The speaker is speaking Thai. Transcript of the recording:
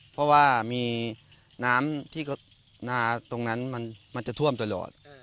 เพราะว่ามีน้ำที่นาตรงนั้นมันจะท่วมตลอด